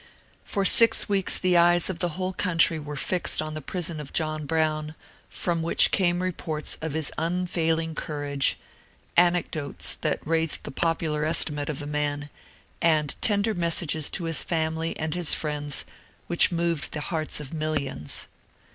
For six weeks the eyes of the whole country were fixed on the prison of John Brown, from which came reports of his unfailing courage, anecdotes that raised the popular estimate of the man, and tender messages to his family and his friends which moved the hearts of millions.